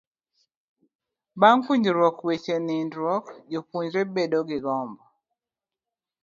bang' puonjruok weche nindruok, jopuonjre bedo gi gombo